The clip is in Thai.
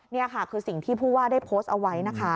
นี่ค่ะคือสิ่งที่ผู้ว่าได้โพสต์เอาไว้นะคะ